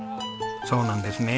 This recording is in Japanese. そうなんですねえ。